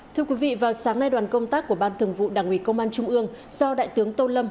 thưa quý vị vào sáng nay đoàn công tác của ban thường vụ đảng ủy công an trung ương do đại tướng tô lâm